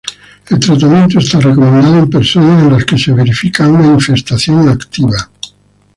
El tratamiento está recomendado en personas en las que se verifica una infestación activa.